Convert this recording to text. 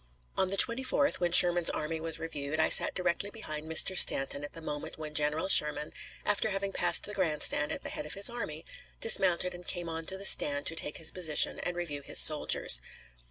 On the 24th, when Sherman's army was reviewed, I sat directly behind Mr. Stanton at the moment when General Sherman, after having passed the grand stand at the head of his army, dismounted and came on to the stand to take his position and review his soldiers.